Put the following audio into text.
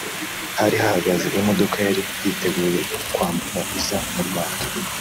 hari hahagaze imodoka yari yiteguye kwambuka iza mu Rwanda